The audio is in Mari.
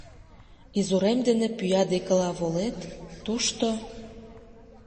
Изурем дене пӱя декыла волет, тушто.